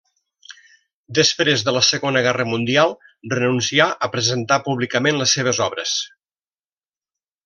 Després de la Segona Guerra Mundial renuncià a presentar públicament les seves obres.